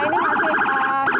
sehingga kepadatan mulai terurai